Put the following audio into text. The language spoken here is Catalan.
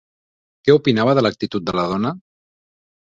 Què opinava de l'actitud de la dona?